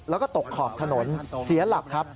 แล้วก็ตกขอบถนนเสียหลักครับ